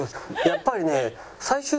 やっぱりね。